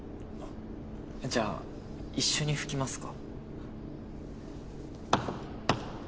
じゃあ一緒に吹きますか？